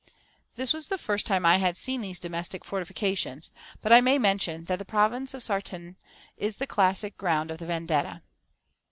This was the first time I had seen these domestic fortifications; but I may mention that the province of Sartène is the classic ground of the Vendetta.